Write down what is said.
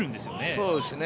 そうですね。